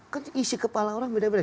kan isi kepala orang beda beda